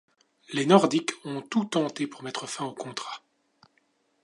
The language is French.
Les Nordiques ont tout tenté pour mettre fin au contrat.